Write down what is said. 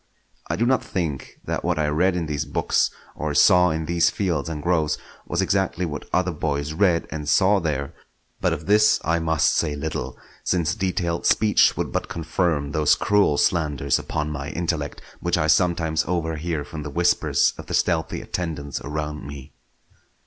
I do not think that what I read in these books or saw in these fields and groves was exactly what other boys read and saw there; but of this I must say little, since detailed speech would but confirm those cruel slanders upon my intellect which I sometimes overhear from the whispers of the stealthy attendants around me.